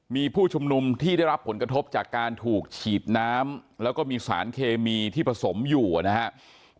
มีผู้ชุมนุมที่ได้รับผลกระทบจากการถูกฉีดน้ำแล้วก็มีสารเคมีที่ผสมอยู่นะครับ